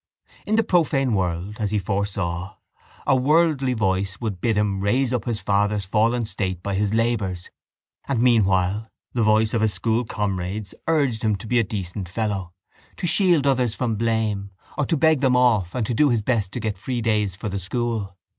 In the profane world, as he foresaw, a worldly voice would bid him raise up his father's fallen state by his labours and, meanwhile, the voice of his school comrades urged him to be a decent fellow, to shield others from blame or to beg them off and to do his best to get free days for the school.